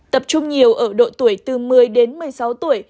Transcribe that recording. tập trung nhiều ở độ tuổi từ một mươi đến một mươi sáu tuổi